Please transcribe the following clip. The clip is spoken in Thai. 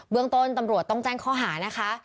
เมืองต้นตำรวจต้องแจ้งข้อหานะคะ